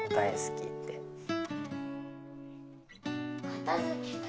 片づけたい。